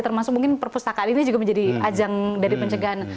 termasuk mungkin perpustakaan ini juga menjadi ajang dari pencegahan